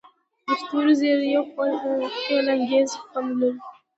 د ستورو زیرۍ یو خیالانګیز خوند لري.